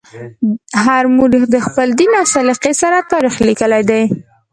هر مورخ د خپل دین او سلیقې سره تاریخ لیکلی دی.